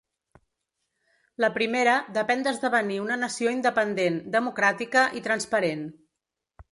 La primera depèn d’esdevenir una nació independent, democràtica i transparent.